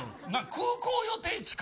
空港予定地か。